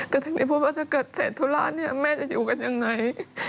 ก็ถึงได้พูดว่าถ้าเกิดเสร็จธุระเนี่ยแม่จะอยู่กันยังไง